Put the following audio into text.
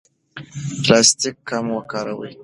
پلاستیک کم وکاروئ.